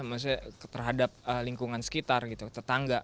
maksudnya terhadap lingkungan sekitar gitu tetangga